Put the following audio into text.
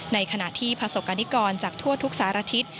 ในขณะที่ประสบกรณิกรจากทั่วทุกสารทิศ